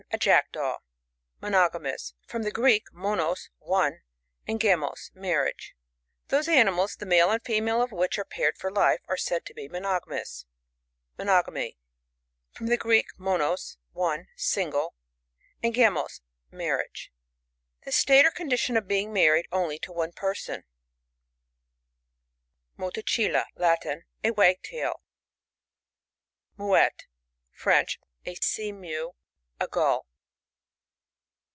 A Jackdaw. Monogamous. — From the Greek, monoSt one, and gamos, marriage. Those animals, the male and female of which are paired for life, are said to be monogamous. Monogamt.— From the Greek, monos^ one, single ; and gamos^ marriage. The state or condition of being married only to one person, MoTACiLLA. — Latin. A Wag'taiL MouETTE.— French. A Sea mew, a Gull.